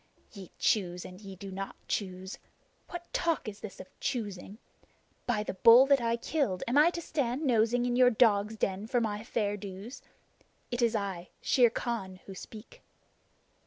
"Ye choose and ye do not choose! What talk is this of choosing? By the bull that I killed, am I to stand nosing into your dog's den for my fair dues? It is I, Shere Khan, who speak!"